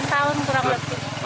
delapan tahun kurang lebih